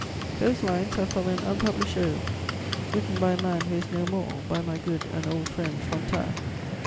"Those lines are from an unpublished ode, written by a man who is no more, by my good and old friend, Fontanes.